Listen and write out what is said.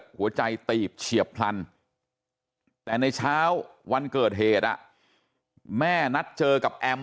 หัวใจตีบเฉียบพลันแต่ในเช้าวันเกิดเหตุแม่นัดเจอกับแอม